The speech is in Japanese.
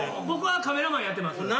僕はカメラマンやってます。